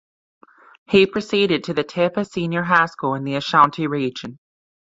He proceeded to Tepa Senior High School in the Ashanti Region.